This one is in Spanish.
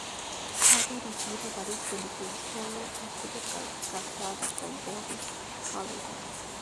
Ha dirigido varias películas porno y estuvo casada con Bobby Hollander.